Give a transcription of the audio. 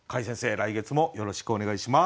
来月もよろしくお願いします。